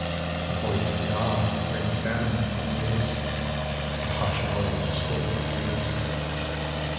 The voice of God rings down the years To hush our old discordant fears.